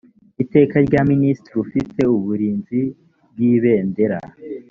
iteka rya minisitiri ufite uburinzi bw’ibendera.